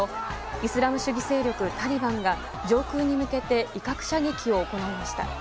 イスラム主義勢力タリバンが上空に向けて威嚇射撃を行いました。